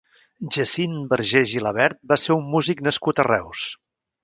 Jacint Vergés Gilabert va ser un músic nascut a Reus.